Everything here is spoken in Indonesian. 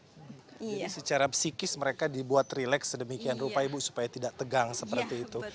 jadi secara psikis mereka dibuat relax sedemikian rupa ibu supaya tidak tegang seperti itu